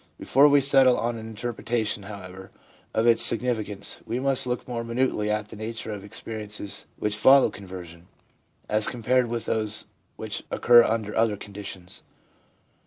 Before we settle on an interpretation, however, of its significance, we must look more minutely at the nature of the experi ences which follow conversion, as compared with those which occur under other conditions.